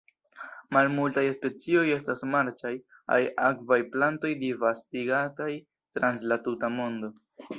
Malmultaj specioj estas marĉaj aŭ akvaj plantoj disvastigataj trans la tuta mondo.